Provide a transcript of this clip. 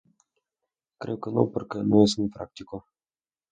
Creo que no porque no es muy práctico